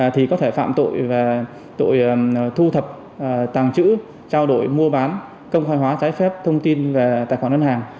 thì có thể phạm tội thu thập tàng trữ trao đổi mua bán công khai hóa trái phép thông tin về tài khoản ngân hàng